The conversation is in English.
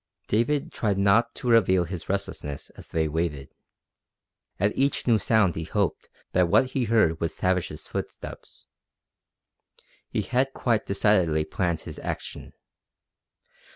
David tried not to reveal his restlessness as they waited. At each new sound he hoped that what he heard was Tavish's footsteps. He had quite decidedly planned his action.